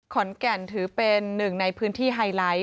ขอนแก่นถือเป็นหนึ่งในพื้นที่ไฮไลท์